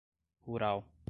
rural